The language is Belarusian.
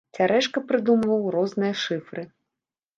Цярэшка прыдумваў розныя шыфры.